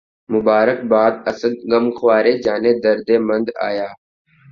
مبارک باد اسد، غمخوارِ جانِ درد مند آیا